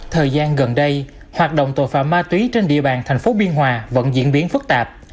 thời gian gần đây hoạt động tội phạm ma túy trên địa bàn thành phố biên hòa vẫn diễn biến phức tạp